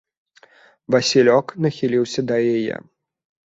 Васілёк нахіліўся да яе.